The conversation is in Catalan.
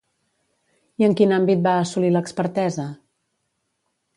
I en quin àmbit va assolir l'expertesa?